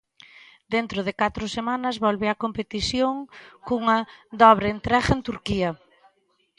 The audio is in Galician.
Dentro de catro semanas volve a competición cunha dobre entrega en Turquía.